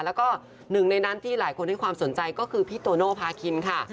แล้วก็หนึ่งในนั้นที่หลายคนให้ความสนใจก็คือพี่โตโนภาคินค่ะ